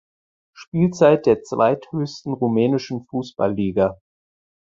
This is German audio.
Spielzeit der zweithöchsten rumänischen Fußballliga.